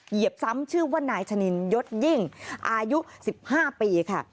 เหยียบซ้ำชื่อว่านายชะนินยศยิ่งอายุ๑๕ปีค่ะ